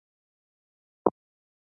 د لوېدیځو برخو واکمنان د کوم قامونه وو؟